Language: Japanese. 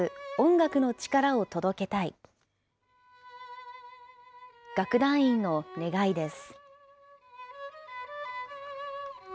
楽団員の願いです。